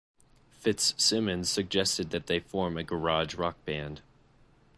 Fitzsimmons suggested that they form a garage rock band.